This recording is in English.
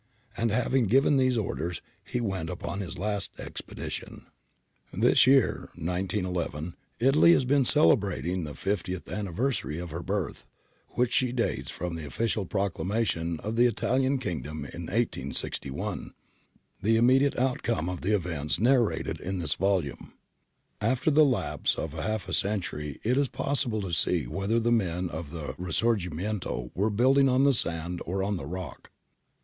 And having given these orders, he went upon his last expedition. This year (191 1) Italy has been celebrating the fiftieth anniversary of her birth, which she dates from the official proclamation of the Italian Kingdom in 1861, the immedi ate outcome of the events narrated in this volume. After the lapse of half a century it is possible to see whether the men of the risorgimenio were building on the sand or on the rock.